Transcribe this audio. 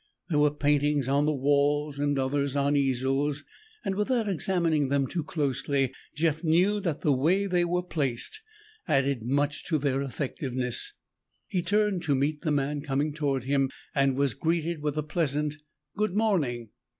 There were paintings on the walls and others on easels, and without examining them too closely, Jeff knew that the way they were placed added much to their effectiveness. He turned to meet the man coming toward him and was greeted with a pleasant, "Good morning."